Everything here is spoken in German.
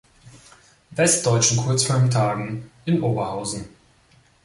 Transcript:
Westdeutschen Kurzfilmtagen“ in Oberhausen.